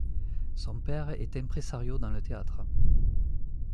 Son père est imprésario dans le théâtre.